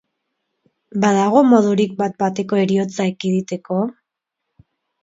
Badago modurik bat-bateko heriotza ekiditeko?